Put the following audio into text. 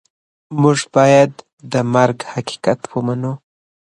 موږ باید د مرګ حقیقت ومنو.